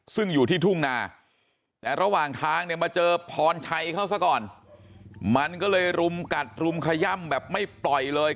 ซึ่งอยู่ที่ทุ่งนาแต่ระหว่างทางเนี่ยมาเจอพรชัยเขาซะก่อนมันก็เลยรุมกัดรุมขย่ำแบบไม่ปล่อยเลย